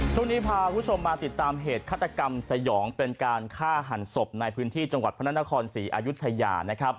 ช่วงนี้พาคุณผู้ชมมาติดตามเหตุฆาตกรรมสยองเป็นการฆ่าหันศพในพื้นที่จังหวัดพระนครศรีอายุทยานะครับ